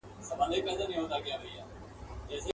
هم ډاریږي له آفته هم له لوږي وايی ساندي.